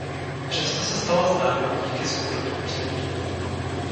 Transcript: Přesto se stala známou díky soukromým čtením.